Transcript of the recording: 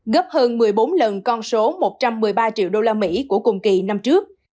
gấp hơn một mươi bốn lần con số một trăm một mươi ba triệu usd